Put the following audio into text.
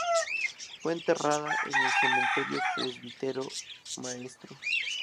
Fue enterrada en el Cementerio Presbítero Maestro.